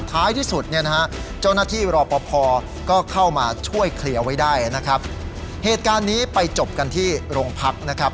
ท้ายที่สุดเนี่ยนะฮะเจ้าหน้าที่รอพอก็เข้ามาช่วยเคลียร์ไว้ได้นะครับ